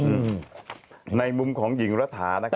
อืมในมุมของหญิงรัฐา